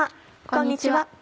こんにちは。